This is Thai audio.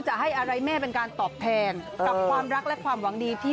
จะให้อะไรแม่เป็นการตอบแทนกับความรักและความหวังดีที่